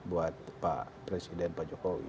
buat pak presiden pak jokowi